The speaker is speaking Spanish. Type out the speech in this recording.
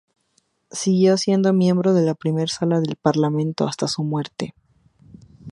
Siguió siendo miembro de la Primera Sala del parlamento hasta su muerte.